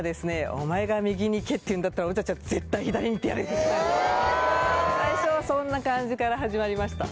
お前が右に行けって言うんだったら俺たちは絶対左に行ってやる最初はそんな感じから始まりました